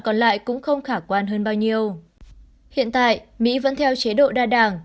còn lại cũng không khả quan hơn bao nhiêu hiện tại mỹ vẫn theo chế độ đa đảng